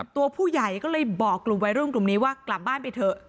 ตัวผู้ใหญ่ก็เลยบอกกลุ่มวัยรุ่นกลุ่มนี้ว่ากลับบ้านไปเถอะ